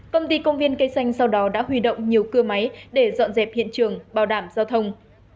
công ty công viên cây xanh sau đó đã huy động nhiều cưa máy để dọn dẹp hiện trường bảo đảm giao thông